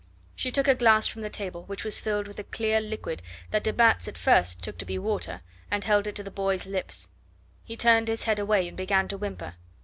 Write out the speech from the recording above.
She took a glass from the table, which was filled with a clear liquid that de Batz at first took to be water, and held it to the boy's lips. He turned his head away and began to whimper.